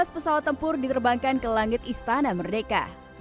dua belas pesawat tempur diterbangkan ke langit istana merdeka